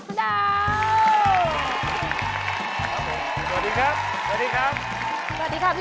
สวัสดีครับ